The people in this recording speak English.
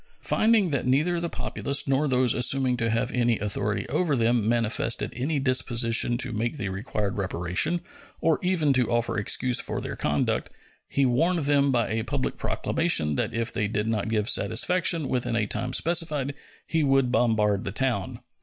Finding that neither the populace nor those assuming to have authority over them manifested any disposition to make the required reparation, or even to offer excuse for their conduct, he warned them by a public proclamation that if they did not give satisfaction within a time specified he would bombard the town.